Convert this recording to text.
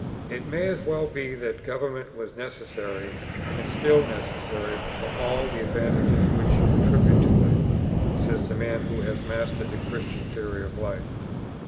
"It may well be that government was necessary and is still necessary for all the advantages which you attribute to it," says the man who has mastered the Christian theory of life.